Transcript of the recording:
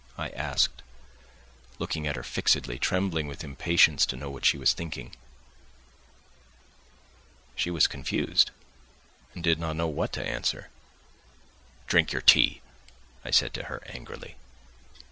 I asked, looking at her fixedly, trembling with impatience to know what she was thinking. She was confused, and did not know what to answer. "Drink your tea," I said to her angrily.